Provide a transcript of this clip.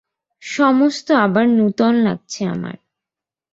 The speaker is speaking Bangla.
সমস্ত আবার নূতন লাগছে আমার।